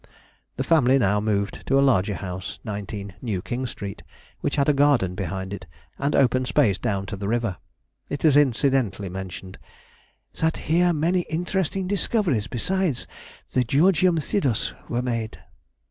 The family now moved to a larger house, 19, New King Street, which had a garden behind it, and open space down to the river. It is incidentally mentioned, "that here many interesting discoveries besides the Georgium Sidus were made."